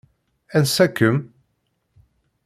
Ansa-kem?